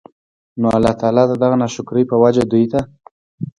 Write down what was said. نو الله تعالی د دغه ناشکرۍ په وجه دوی ته